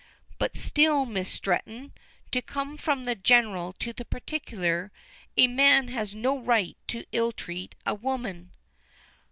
"But still, Miss Stretton, to come from the general to the particular, a man has no right to ill treat a woman."